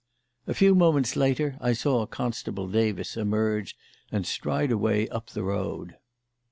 A few moments later I saw Constable Davis emerge and stride away up the road.